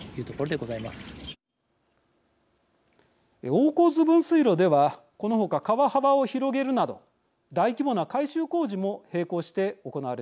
大河津分水路ではこのほか川幅を広げるなど大規模な改修工事も並行して行われています。